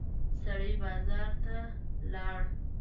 سړی بازار ته لاړ.